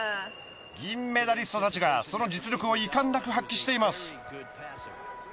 銀メダリストたちがその実力を遺憾なく発揮しています。